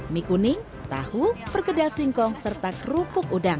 mie kuning tahu perkedal singkong serta kerupuk udang